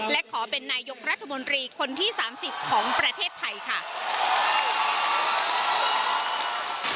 และขอเป็นนายกรัฐมนตรีคนที่๓๐ของประเทศไทยค่ะ